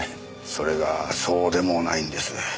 それがそうでもないんです。